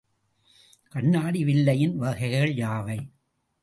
கண்ணாடி வில்லையின் வகைகள் யாவை?